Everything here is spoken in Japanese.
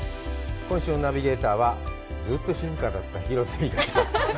今週のナビゲーターは、ずっと静かだった広瀬未花ちゃん。